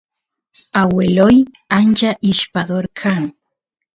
agueloy ancha ishpador kan